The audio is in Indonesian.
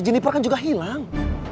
jeniper kan juga hilang